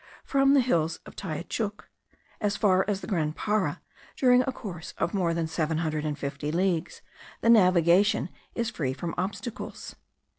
From the hills of Tayuchuc as far as Grand Para, during a course of more than seven hundred and fifty leagues, the navigation is free from obstacles.